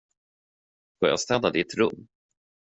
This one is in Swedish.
Får jag städa ditt rum?